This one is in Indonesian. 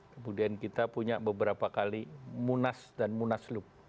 kemudian kita punya beberapa kali munas dan munaslup